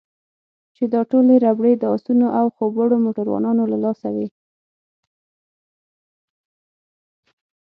چې دا ټولې ربړې د اسونو او خوب وړو موټروانانو له لاسه وې.